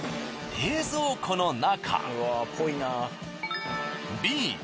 冷蔵庫の中。